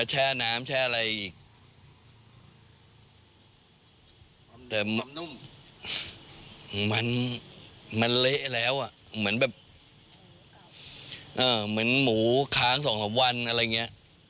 เหมือนหมูค้าง๒๐๐วันอะไรอย่างนี้